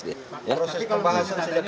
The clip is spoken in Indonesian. proses pembahasan sejak dua ribu sepuluh